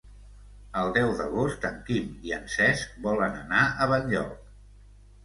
El deu d'agost en Quim i en Cesc volen anar a Benlloc.